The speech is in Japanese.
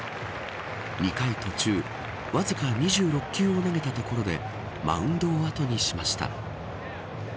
２回途中わずか２６球を投げたところでマウンドを後にしました。